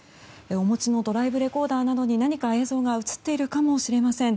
お持ちのドライブレコーダーなどに何か映像が映っているかもしれません。